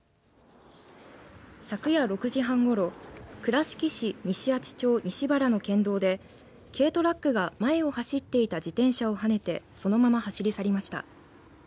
昨夜６時半ごろ、倉敷市西阿知町西原の県道で軽トラックが前を走っていた自転車をはねてそのまま走り去りました。